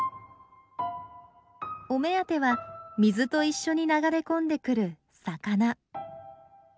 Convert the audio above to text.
お目当ては水と一緒に流れ込んでくる魚。